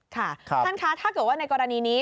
ค่ะท่านคะถ้าเกิดว่าในกรณีนี้